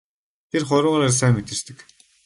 Тэр хуруугаараа сайн мэдэрдэг.